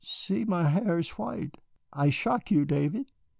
"See, my hair is white I shock you, David."